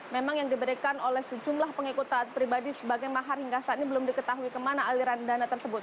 memang yang diberikan oleh sejumlah pengikut taat pribadi sebagai mahar hingga saat ini belum diketahui kemana aliran dana tersebut